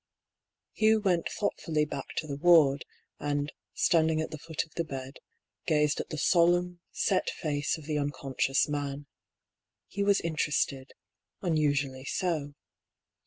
PATE, 8 Hugh went thoughtfully back to the ward, and stand ing at the foot of the bed gazed at the solemn, set face of the unconscious man. He was interested — unusually so.